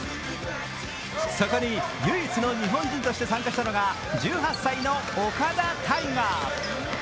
そこに唯一の日本人として参加したのが１８歳の岡田大河。